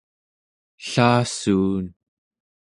ellassuun